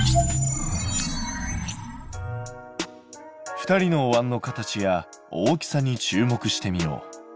２人のおわんの形や大きさに注目してみよう。